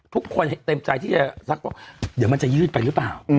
เต็มใจที่จะซักว่าเดี๋ยวมันจะยืดไปหรือเปล่า